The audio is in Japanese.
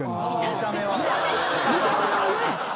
見た目はね！